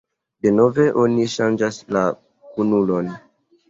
"Denove oni ŝanĝas la kunulon."